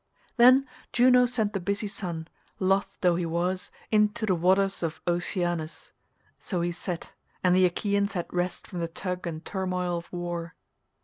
Then Juno sent the busy sun, loth though he was, into the waters of Oceanus; so he set, and the Achaeans had rest from the tug and turmoil of war.